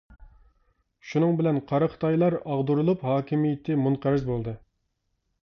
شۇنىڭ بىلەن قارا خىتايلار ئاغدۇرۇلۇپ، ھاكىمىيىتى مۇنقەرز بولدى.